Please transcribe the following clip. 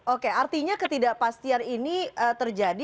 oke artinya ketidakpastian ini terjadi